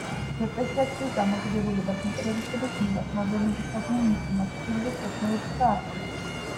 დეპრესია ცვლის დამოკიდებულებას ინტერესების მიმართ, მოვლენებისადმი მიდგომას, ტკივილის შეგრძნებებს და აღქმას.